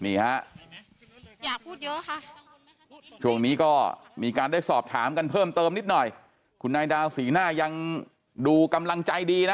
นี่ฮะอยากพูดเยอะค่ะช่วงนี้ก็มีการได้สอบถามกันเพิ่มเติมนิดหน่อยคุณนายดาวสีหน้ายังดูกำลังใจดีนะ